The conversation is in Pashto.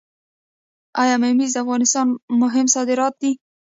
آیا ممیز د افغانستان مهم صادرات دي؟